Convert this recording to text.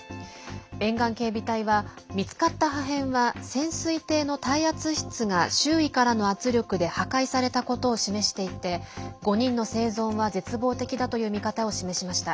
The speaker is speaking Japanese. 沿岸警備隊は、見つかった破片は潜水艇の耐圧室が周囲からの圧力で破壊されたことを示していて５人の生存は絶望的だという見方を示しました。